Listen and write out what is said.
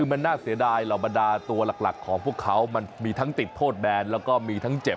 มั่นเสียดายเหรอบรรดาตัวหลักของพวกเขามันมีทั้งติดยากฆ่าและเจ็บ